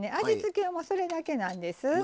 味付けはもうそれだけなんです。